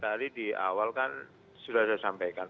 tadi di awal kan sudah saya sampaikan